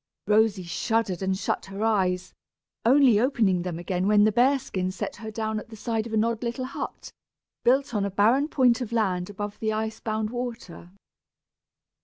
Rosy shuddered and shut her eyes, only opening them again when the bear skin set her down at the side of an odd little hut, built on a barren point of land above the ice bound water.